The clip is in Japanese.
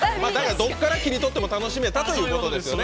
どっから切りとっても楽しめたということですね。